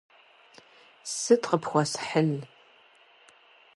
Сыт къыпхуэсхьын?